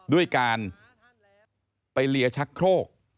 ด้วยการไปเลียชักโครก